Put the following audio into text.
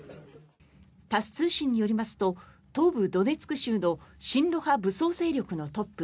タス通信によりますと東部ドネツク州の親ロ派武装勢力のトップ